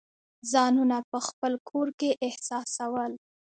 ځانونه په خپل کور کې احساسول.